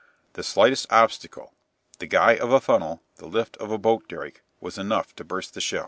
The slightest obstacle the guy of a funnel, the lift of a boat derrick was enough to burst the shell.